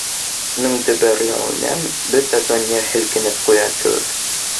Уның дөбөрләүенән бөтә донъя һелкенеп ҡуя кеүек.